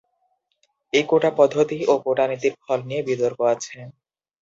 এই কোটা পদ্ধতি ও কোটা নীতির ফল নিয়ে বিতর্ক আছে।